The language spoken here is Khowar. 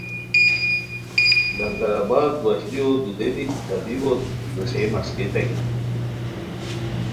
لنگر آباد وشلیو دودیری ای طبیبوت ویݰئے مݰکیتائے